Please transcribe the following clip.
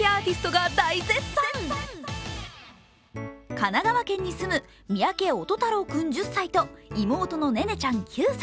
神奈川県に住む三宅音太朗君１０歳と妹の音寧ちゃん９歳。